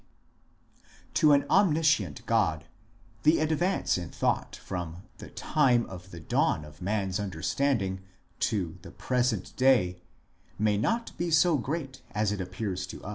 ? To an omniscient God the advance in thought from the time of the dawn of man s understanding to the present day may not be so great as it appears to us.